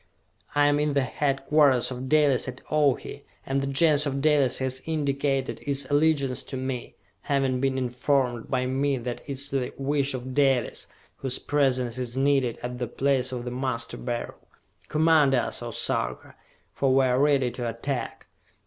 I am in the headquarters of Dalis at Ohi, and the Gens of Dalis has indicated its allegiance to me, having been informed by me that it is the wish of Dalis, whose presence is needed at the place of the Master Beryl! Command us, O Sarka, for we are ready to attack!"